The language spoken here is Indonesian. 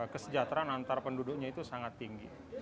kesejahteraan antar penduduknya itu sangat tinggi